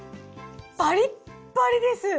パリッパリです！